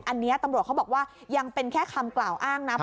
อันนี้ตำรวจเขาบอกว่ายังเป็นแค่คำกล่าวอ้างนะ